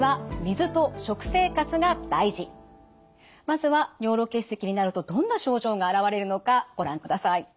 まずは尿路結石になるとどんな症状が現れるのかご覧ください。